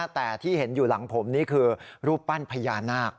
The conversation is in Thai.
แต่ที่เห็นอยู่หลังผมนี่คือรูปปั้นพญานาค